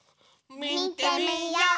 みてみよう！